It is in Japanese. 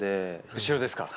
後ろですか。